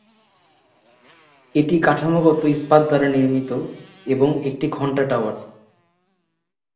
এটি কাঠামোগত ইস্পাত দ্বারা নির্মিত এবং একটি ঘণ্টা টাওয়ার।